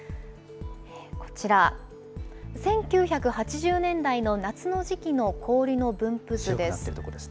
こちら、１９８０年代の夏の時期の氷の分布図です。